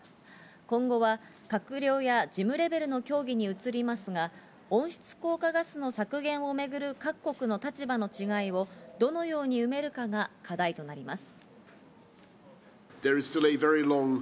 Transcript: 今後は閣僚や事務レベルの協議に移りますが、温室効果ガスの削減をめぐる各国の立場の違いをどのように埋めるかが課題となります。